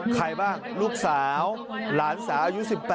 ใครบ้างลูกสาวหลานสาวอายุ๑๘